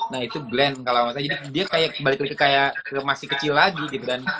nah itu glenn kalau masa jadi dia kayak balik lagi ke masih kecil lagi gitu